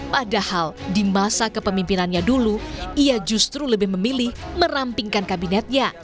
padahal di masa kepemimpinannya dulu ia justru lebih memilih merampingkan kabinetnya